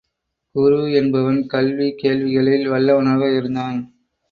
குரு என்பவன் கல்வி கேள்விகளில் வல்லவனாக இருந்தான்.